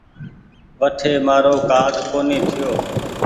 وٺي مآرو ڪآرڊ ڪونيٚ ٺيوي۔